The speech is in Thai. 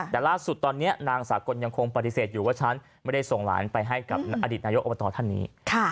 แต่ล่าสุดตอนนี้นางสากลยังคงปฏิเสธอยู่ว่าฉันไม่ได้ส่งหลานไปให้กับอดีตนายกอบตท่านนี้